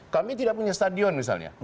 kami tidak punya stadion misalnya